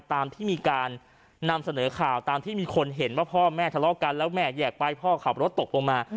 ตามที่มีการนำเสนอข่าวตามที่มีคนเห็นว่าพ่อแม่ทะเลาะกันแล้วแม่แยกไปพ่อขับรถตกลงมา